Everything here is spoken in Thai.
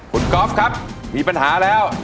คุณก๊อฟครับมีปัญหาแล้ว